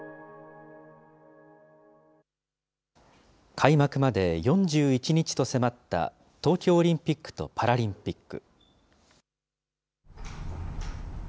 開幕まで４１日と迫った東京オリンピックとパラリンピック。